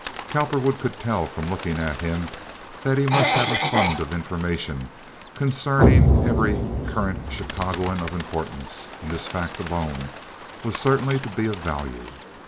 Cowperwood could tell from looking at him that he must have a fund of information concerning every current Chicagoan of importance, and this fact alone was certain to be of value.